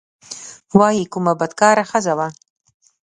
وايي کومه بدکاره ښځه وه.